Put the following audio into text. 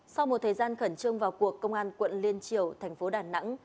sau một thời gian khẩn trương vào cuộc công an quận liên triều thành phố đà nẵng